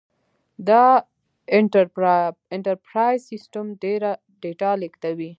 دا انټرپرایز سیسټم ډېره ډیټا لېږدوي.